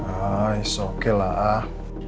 ah isok lah